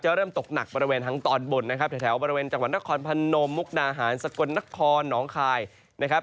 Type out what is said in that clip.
เริ่มตกหนักบริเวณทางตอนบนนะครับแถวบริเวณจังหวัดนครพนมมุกนาหารสกลนครหนองคายนะครับ